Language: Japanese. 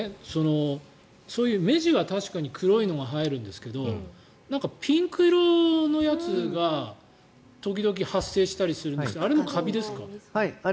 そういう目地は確かに黒いのが生えるんですがピンク色のやつが時々、発生したりするんですがあれもカビですか？